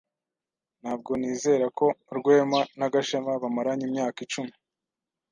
Ntabwo nizera ko Rwema na Gashema bamaranye imyaka icumi.